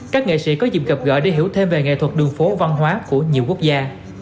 các nghệ sĩ có dịp gặp gỡ để hiểu thêm về nghệ thuật đường phố văn hóa của nhiều quốc gia